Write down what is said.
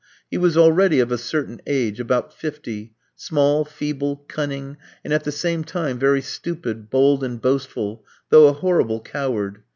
He was already of a certain age about fifty small, feeble, cunning, and, at the same time, very stupid, bold, and boastful, though a horrible coward.